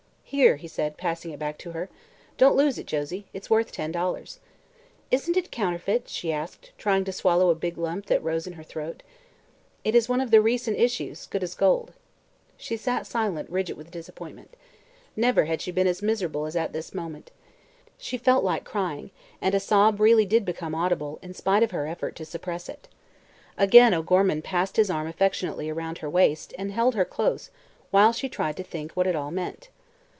"Here," he said, passing it back to her. "Don't lose it, Josie. It's worth ten dollars." "Isn't it counterfeit?" she asked, trying to swallow a big lump that rose in her throat. "It is one of the recent issues, good as gold." She sat silent, rigid with disappointment. Never had she been as miserable as at this moment. She felt like crying, and a sob really did become audible in spite of her effort to suppress it. Again O'Gorman passed his arm affectionately around her waist and held her close while she tried to think what it all meant.